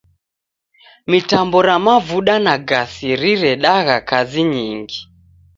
Mitambo ra mavuda na gasi riredagha kazi nyingi.